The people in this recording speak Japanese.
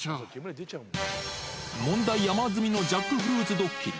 問題山積みのジャックフルーツドッキリ。